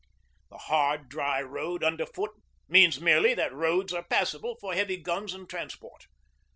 The hard, dry road underfoot means merely that roads are passable for heavy guns and transport.